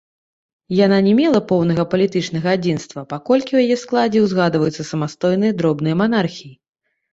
Яна не мела поўнага палітычнага адзінства, паколькі ў яе складзе ўзгадваюцца самастойныя дробныя манархіі.